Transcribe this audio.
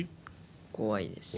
怖いです。